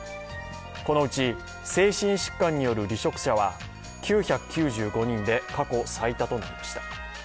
このうち、精神疾患による離職者は９９５人で過去最多となりました。